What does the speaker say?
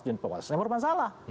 dewan pengawas yang bermasalah